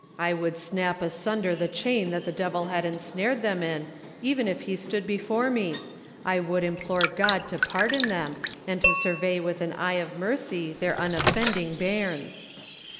I would snap asunder the chain that the devil had ensared them in, even if he stood before me ; I would implore God to pardon them, and to survey with an eye of mercy their unoffending bairns.